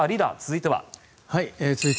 リーダー、続いては。